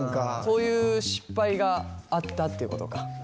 そういう失敗があったっていうことか？